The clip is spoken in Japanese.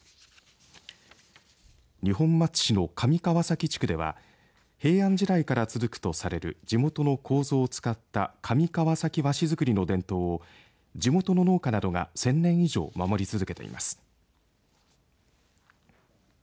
二本松市の上川崎地区では平安時代から続くとされる地元のこうぞを使った上川崎和紙作りの伝統を地元の農家などが１０００年以上守り続けています。